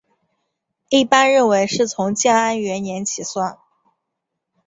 一般认为是从建安元年起算。